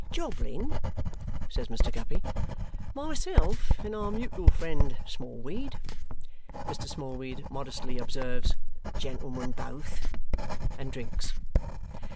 "Jobling," says Mr. Guppy, "myself and our mutual friend Smallweed " Mr. Smallweed modestly observes, "Gentlemen both!" and drinks.